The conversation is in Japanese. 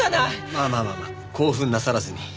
まあまあまあまあ興奮なさらずに。